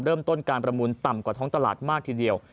เริ่มต้นการประมูลต่ำกว่าท้องตลาดมากทีเดียว